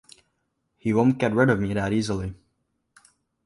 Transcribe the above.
He won't get rid of me that easily.